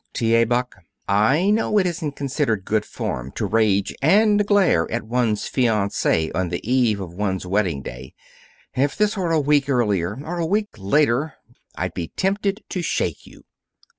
"T. A. Buck, I know it isn't considered good form to rage and glare at one's fiance on the eve of one's wedding day. If this were a week earlier or a week later, I'd be tempted to shake you!"